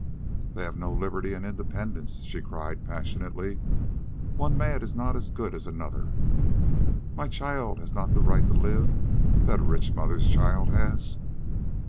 "Then we have no liberty and independence," she cried passionately. "One man is not as good as another. My child has not the right to live that a rich mother's child has."